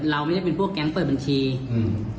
เราไม่ได้เป็นพวกแก๊งเปิดบัญชีอืม